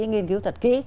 nghiên cứu thật kỹ